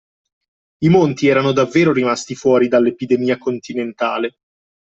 I Monti erano davvero rimasti fuori dall’epidemia continentale.